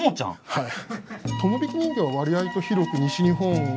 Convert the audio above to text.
はい。